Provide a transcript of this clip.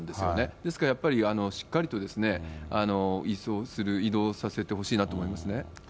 ですからやっぱり、しっかりと移送する、移動させてほしいなと思いますね。